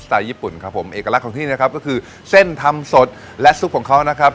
ญี่ปุ่นครับผมเอกลักษณ์ของที่นะครับก็คือเส้นทำสดและซุปของเขานะครับ